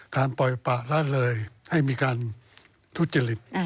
ปล่อยปะละเลยให้มีการทุจริต